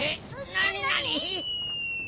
なになに？